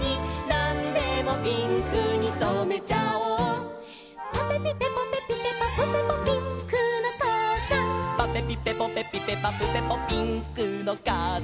「なんでもピンクにそめちゃおう」「ぱぺぴぺぽぺぴぺぱぷぺぽピンクのとうさん」「ぱぺぴぺぽぺぴぺぱぷぺぽピンクのかあさん」